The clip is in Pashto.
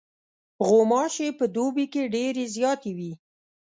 غوماشې په دوبي کې ډېرې زیاتې وي.